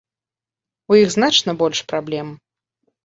У іх значна больш праблем.